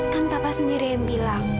kan papa sendiri yang bilang